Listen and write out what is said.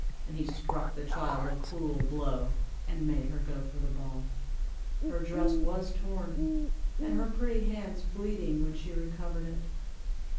And he struck the child a cruel blow, and made her go for the ball. Her dress was torn, and her pretty hands bleeding when she recovered it.